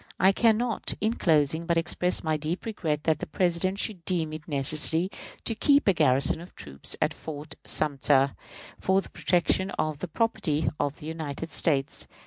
I can not, in closing, but express my deep regret that the President should deem it necessary to keep a garrison of troops at Fort Sumter for the protection of the "property" of the United States.